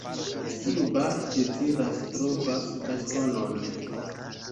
Kiu bati deziras, trovas bastonon.